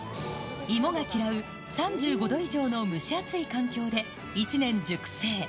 芋が嫌う３５度以上の蒸し暑い環境で、１年熟成。